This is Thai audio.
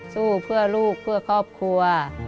สู้เพื่อลูกเพื่อครอบครัว